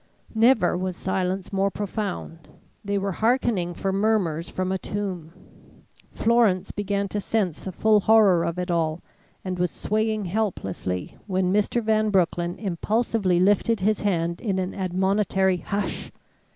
Never was silence more profound; they were hearkening for murmurs from a tomb. Florence began to sense the full horror of it all, and was swaying helplessly when Mr. Van Broecklyn impulsively lifted his hand in an admonitory Hush!